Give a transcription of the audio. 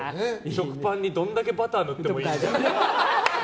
食パンにどんだけバター塗ってもいい。